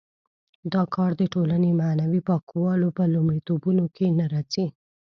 دا کار د ټولنې معنوي پاکولو په لومړیتوبونو کې نه راځي.